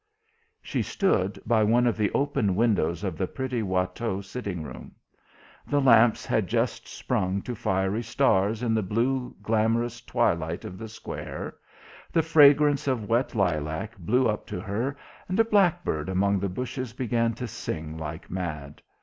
She stood by one of the open windows of the pretty Watteau sitting room. The lamps had just sprung to fiery stars in the blue glamorous twilight of the square; the fragrance of wet lilac blew up to her, and a blackbird among the bushes began to sing like mad